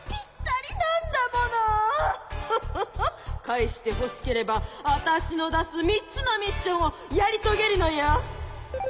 かえしてほしければわたしのだすみっつのミッションをやりとげるのよ！